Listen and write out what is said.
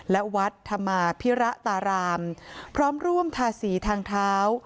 และวัดธรรมาภิระตารามพร้อมร่วมทาสีทางเท้า